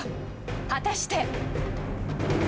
果たして。